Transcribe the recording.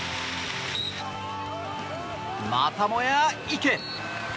またもや池！